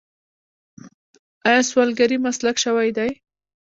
آیا سوالګري مسلک شوی دی؟